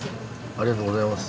ありがとうございます。